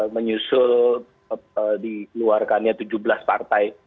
menyusul dikeluarkannya tujuh belas partai